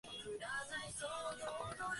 金曜日はフライデー、揚げ物が安い